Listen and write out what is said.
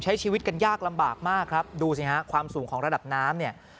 ใช้ชีวิตกันยากลำบากมากครับดูสิฮะความสูงของระดับน้ำเนี่ย